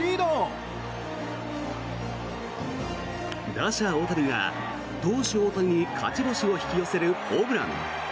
打者・大谷が投手・大谷に勝ち星を引き寄せるホームラン。